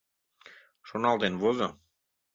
Шоналтен возо.